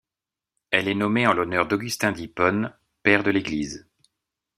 Elle est nommée en l'honneur d'Augustin d'Hippone, Père de l'Église.